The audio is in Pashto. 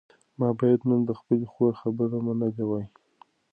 ما باید نن د خپلې خور خبره منلې وای.